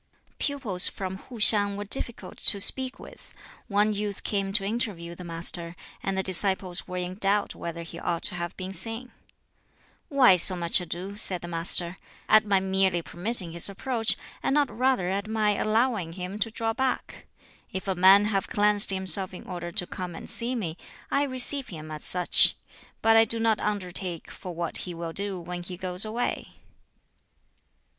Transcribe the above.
Pupils from Hu hiang were difficult to speak with. One youth came to interview the Master, and the disciples were in doubt whether he ought to have been seen. "Why so much ado," said the Master, "at my merely permitting his approach, and not rather at my allowing him to draw back? If a man have cleansed himself in order to come and see me, I receive him as such; but I do not undertake for what he will do when he goes away."